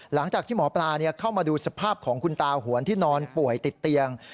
หลังจากที่หมอปลาเข้ามาดูสภาพของคุณตาหวนที่นอนป่วยติดเตียง